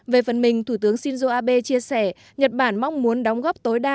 về phần mình thủ tướng shinzo abe chia sẻ nhật bản mong muốn đóng góp tối đa